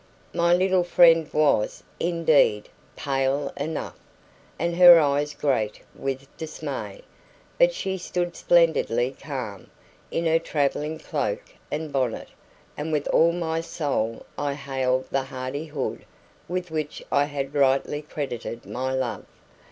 My little friend was, indeed, pale enough, and her eyes great with dismay; but she stood splendidly calm, in her travelling cloak and bonnet, and with all my soul I hailed the hardihood with which I had rightly credited my love.